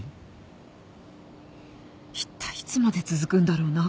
いったいいつまで続くんだろうな